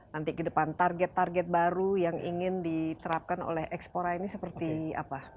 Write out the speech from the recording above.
nanti ke depan target target baru yang ingin diterapkan oleh expora ini seperti apa